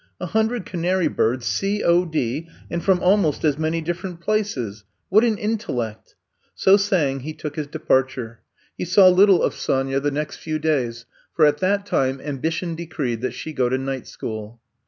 A hundred canary birds C. 0. D., and from almost as many different places 1 What an intellect!*' So saying he took his departure. He saw little of Sonya the 140 I'VE COME TO STAT 141 next few days, for at that time ambition decreed that she go to night school.